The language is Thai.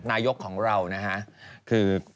นายกของเราคือ